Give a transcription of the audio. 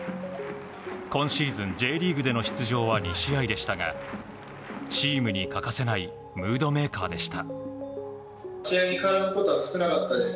今シーズン、Ｊリーグでの出場は２試合でしたがチームに欠かせないムードメーカーでした。